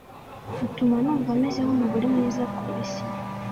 utuma numva meze nk'umugore mwiza ku isi